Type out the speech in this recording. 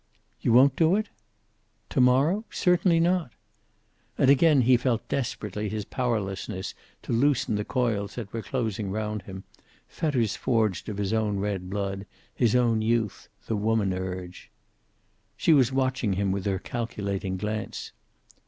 "You won't do it?" "To morrow? Certainly not." And again he felt desperately his powerlessness to loosen the coils that were closing round him, fetters forged of his own red blood, his own youth, the woman urge. She was watching him with her calculating glance.